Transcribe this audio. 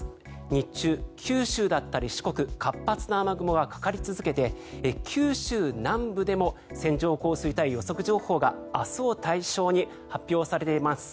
日中、九州だったり四国活発な雨雲がかかり続けて九州南部でも線状降水帯予測情報が明日を対象に発表されています。